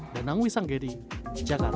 danang wisanggedi jakarta